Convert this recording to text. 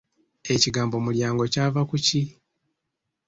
Ekigambo mulyango kyava ku ki?